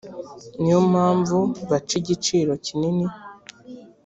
ni yo mpamvu baca igiciro kinini